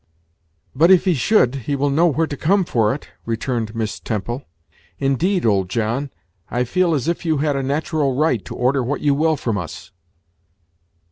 "But if he should, he will know where to come for it," returned Miss Temple. "Indeed old John. I feel as if you had a natural right to order what you will from us."